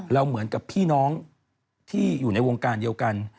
เหมือนกับพี่น้องที่อยู่ในวงการเดียวกัน